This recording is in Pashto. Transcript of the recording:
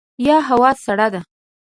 یه هوا سړه ده !